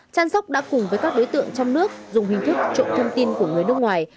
trang sóc đã cùng với các đối tượng trong nước dùng hình thức trộm thông tin của người nước ngoài